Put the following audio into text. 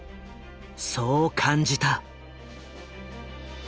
そう感じた。